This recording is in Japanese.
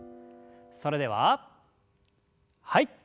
それでははい。